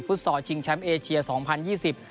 ซอลชิงแชมป์เอเชียสองพันยี่สิบ